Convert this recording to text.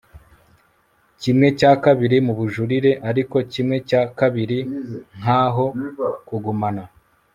Kimwe cya kabiri mu bujurire ariko kimwe cya kabiri nkaho kugumana